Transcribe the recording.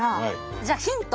じゃあヒント。